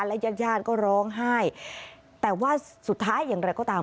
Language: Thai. ญาติญาติก็ร้องไห้แต่ว่าสุดท้ายอย่างไรก็ตาม